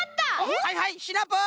はいはいシナプー！